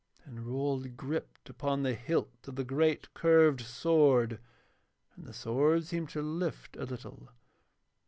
And Rold gripped upon the hilt of the great curved sword, and the sword seemed to lift a little.